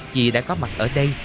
vì đã có mặt ở đây